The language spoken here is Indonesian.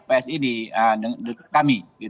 koalisi psi di kami